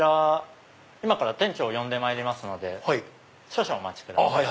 今店長呼んでまいりますので少々お待ちください。